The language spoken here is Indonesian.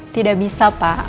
tidak bisa pak